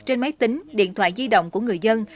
trên máy tính điện thoại di động của người dân